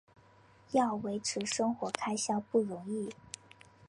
要维持生活开销不容易